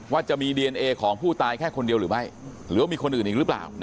ว่าจะมีดีเอนเอของผู้ตายแค่คนเดียวหรือไม่หรือว่ามีคนอื่นอีกหรือเปล่า